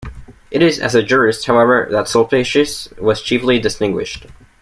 It is as a jurist, however, that Sulpicius was chiefly distinguished.